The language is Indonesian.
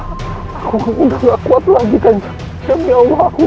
aku gak kuat lagi kanjaksunan